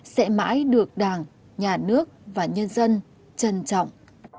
sẽ mãi được đảng nhà nước và nhân dân trân trọng